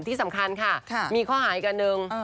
ที่สำคัญค่ะมีข้ออาณ์ยากนึง